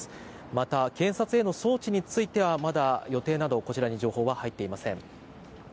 また検察への送致についてはまだ予定などこちらに情報は入っていません。